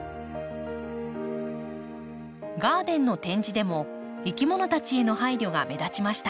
ガーデンの展示でもいきものたちへの配慮が目立ちました。